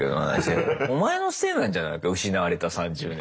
お前のせいなんじゃないか失われた３０年。